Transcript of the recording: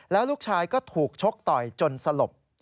แล้วลูกชายก็ถูกชกต่อยจนสลบ